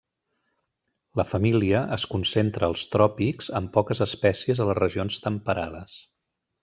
La família es concentra als tròpics amb poques espècies a les regions temperades.